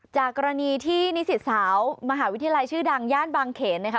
จากกรณีที่นิสิตสาวมหาวิทยาลัยชื่อดังย่านบางเขนนะคะ